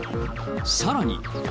さらに。